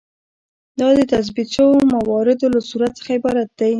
دا د تثبیت شویو مواردو له صورت څخه عبارت دی.